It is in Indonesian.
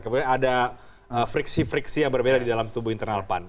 kemudian ada friksi friksi yang berbeda di dalam tubuh internal pan